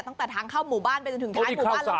ตั้งแต่ทางเข้าหมู่บ้านไปจนถึงท้ายหมู่บ้านเลย